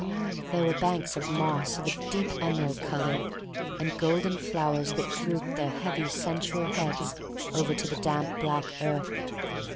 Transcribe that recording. There were banks of moss of a deep emerald color, and golden flowers that drooped their heavy sensual heads over to the damp black earth.